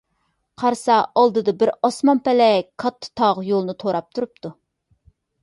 قارىسا، ئالدىدا بىر ئاسمان - پەلەك كاتتا تاغ يولىنى توراپ تۇرۇپتۇ.